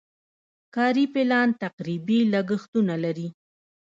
کاري پلان تقریبي لګښتونه لري.